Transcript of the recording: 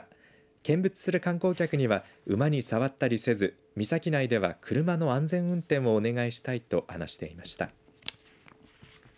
見物する観光客には馬に触ったりせず岬内では、車の安全運転をお願いしたいと話していました。